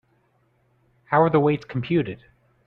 How are the weights computed?